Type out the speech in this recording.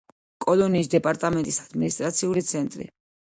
კოლონიის დეპარტამენტის ადმინისტრაციული ცენტრი.